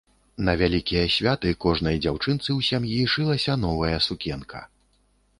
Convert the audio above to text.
На вялікія святы кожнай дзяўчынцы ў сям'і шылася новая сукенка.